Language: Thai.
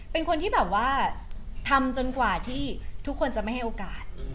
เป็นคนที่แบบว่าทำจนกว่าที่ทุกคนจะไม่ให้โอกาส